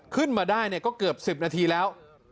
ขึ้นมาได้ก็เกือบ๑๐นาทีแล้ว